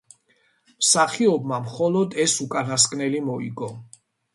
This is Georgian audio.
მსახიობმა მხოლოდ ეს უკანასკნელი მოიგო.